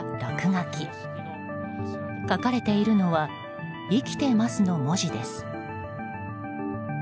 書かれているのは「生きてます」の文字です。